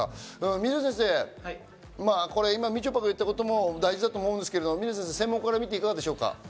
水野先生、みちょぱが今言ったことも大事だと思うんですけど専門家から見てどうでしょう？